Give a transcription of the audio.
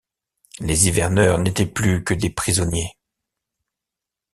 Les hiverneurs n’étaient plus que des prisonniers.